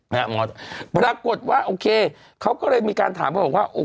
นี่ปรากฏว่าโอเคเขาก็เลยมีการถามว่า